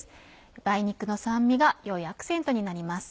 梅肉の酸味が良いアクセントになります。